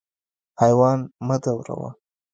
حیوان مه ځوروه.